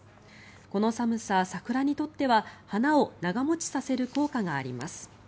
この寒さ、桜にとっては花を長持ちさせる効果があります。